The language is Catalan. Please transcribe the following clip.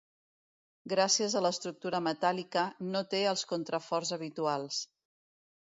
Gràcies a l'estructura metàl·lica, no té els contraforts habituals.